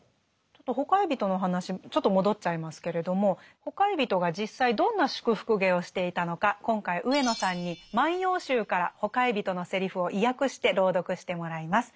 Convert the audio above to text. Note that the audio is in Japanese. ちょっとほかひびとの話ちょっと戻っちゃいますけれどもほかひびとが実際どんな祝福芸をしていたのか今回上野さんに「万葉集」からほかひびとのセリフを意訳して朗読してもらいます。